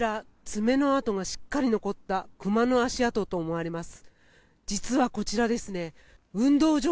こちら爪の痕がしっかり残った熊の足跡と思われます。